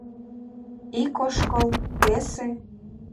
Ик ошкыл, весе...